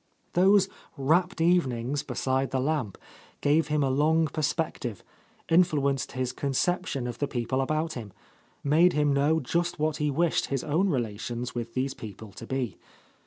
Those rapt evenings beside the lamp gave him a long per spective, influenced his conception of the people about him, made him know just what he wished his own relations with these people to be.